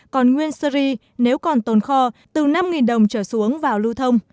còn nguyên sơ ri nếu còn tồn kho từ năm đồng trở xuống vào lưu thông